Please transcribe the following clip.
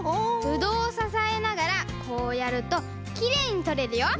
ブドウをささえながらこうやるときれいにとれるよ！